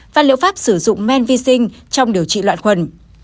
và liệu pháp sử dụng men vi sinh trong điều trị loạn thần